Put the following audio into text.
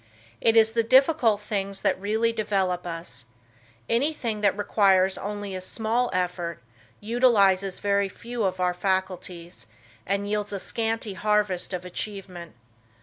It is the difficult things that really develop us, anything that requires only a small effort, utilizes very few of our faculties, and yields a scanty harvest of achievement.